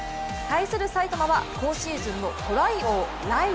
対する埼玉は今シーズンのトライ